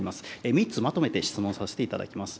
３つまとめて質問させていただきます。